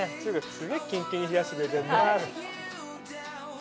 すげぇキンキンに冷やしてくれてる。